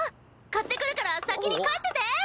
買ってくるから先に帰ってて！